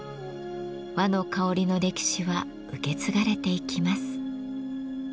和の香りの歴史は受け継がれていきます。